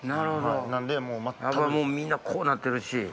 みんなこうなってるし。